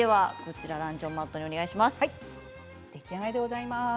出来上がりでございます。